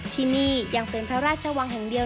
ที่นี่ยังเป็นพระราชวังแห่งเดียว